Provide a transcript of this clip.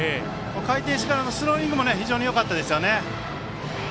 回転してからのスローイングも非常によかったですよね。